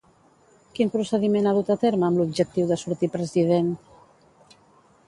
Quin procediment ha dut a terme amb l'objectiu de sortir president?